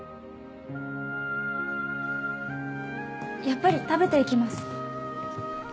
やっぱり食べていきます。